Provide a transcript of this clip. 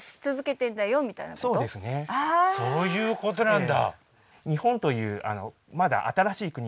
そういうことなんだ。